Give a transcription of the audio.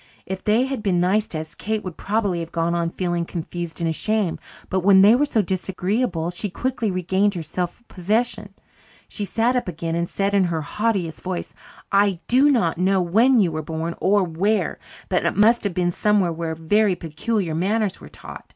If they had been nice to us, Kate would probably have gone on feeling confused and ashamed. But when they were so disagreeable she quickly regained her self possession. She sat up again and said in her haughtiest voice, "I do not know when you were born, or where, but it must have been somewhere where very peculiar manners were taught.